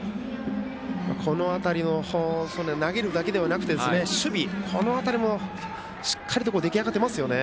この辺りの投げるだけではなくて守備、この辺りもしっかりと出来上がっていますよね。